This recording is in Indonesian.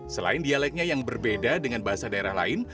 selain dialeknya yang berbeda dengan bahasa daerah lain